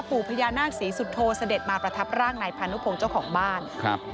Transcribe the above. ปู่พญานาคศรีสุโธเสด็จมาประทับร่างนายพานุพงศ์เจ้าของบ้านครับ